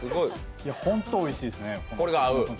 本当においしいですねこれ。